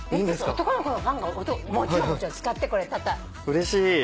うれしい。